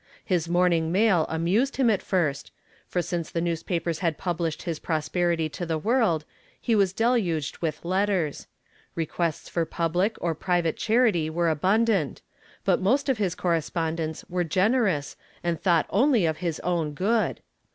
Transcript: His morning mail amused him at first, for since the newspapers had published his prosperity to the world he was deluged with letters. Requests for public or private charity were abundant, but most of his correspondents were generous and thought only of his own good.